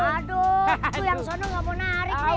aduh tuh yang sana ga mau narik nih